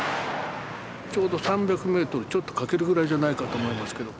ちょうど３００ｍちょっと欠けるぐらいじゃないかと思いますけど。